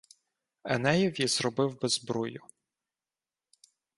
Енеєві зробив би збрую